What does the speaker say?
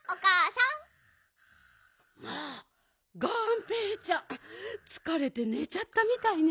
まあがんぺーちゃんつかれてねちゃったみたいね。